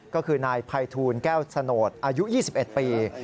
ก็คือนายภัยทูลแก้วสโนธอายุ๒๑ปี